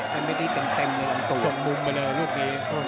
เป็นที่แปลงเต็มเต็มงานตัว